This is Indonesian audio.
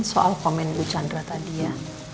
soal komen bu chandra tadi ya